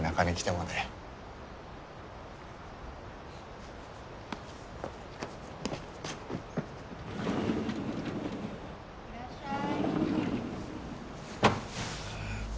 いらっしゃい。